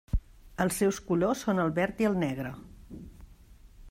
Els seus colors són el verd i el negre.